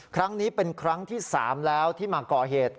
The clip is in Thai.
ครั้งนี้เป็นครั้งที่๓แล้วที่มาก่อเหตุ